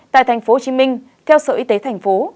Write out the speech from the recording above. tại tp hcm theo sở y tế thành phố